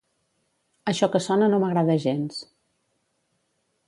Això que sona no m'agrada gens.